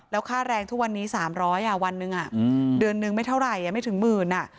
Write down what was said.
แล้วค่าแรงทุกวันนี้๓๐๐วันหนึ่งเดือนนึงไม่เท่าไหร่ไม่ถึงหมื่น